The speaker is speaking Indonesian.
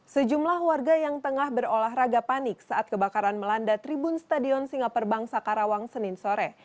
sejumlah warga yang tengah berolahraga panik saat kebakaran melanda tribun stadion singaperbang sakarawang senin sore